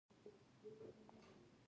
د میرمنو کار د زدکړو دوام پیاوړتیا کوي.